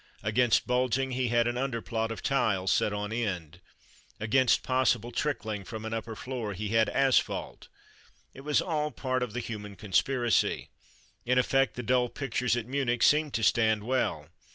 Against bulging he had an underplot of tiles set on end; against possible trickling from an upper floor he had asphalt; it was all part of the human conspiracy. In effect, the dull pictures at Munich seem to stand well.